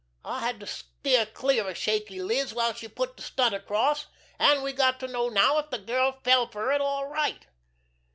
I had to steer clear of Shaky Liz while she put de stunt across, an' we got to know now if de girl fell fer it all right."